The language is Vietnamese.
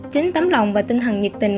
chính tấm lòng và tinh thần nhiệt tình